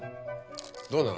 どうなの？